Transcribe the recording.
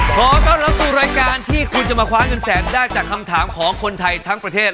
ขอต้อนรับสู่รายการที่คุณจะมาคว้าเงินแสนได้จากคำถามของคนไทยทั้งประเทศ